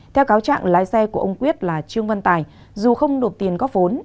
theo cáo trạng lái xe của ông quyết là trương văn tài dù không nộp tiền góp vốn